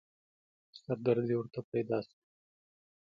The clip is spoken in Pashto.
سردردې ورته پيدا شوه.